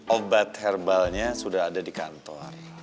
obat herbalnya sudah ada di kantor